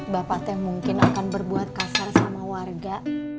bapak teh mungkin akan berbuat kasar sama warga